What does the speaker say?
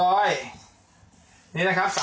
ขาวธรรมดาและขาวมาก